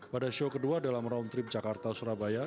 pada show kedua dalam roundtrip jakarta surabaya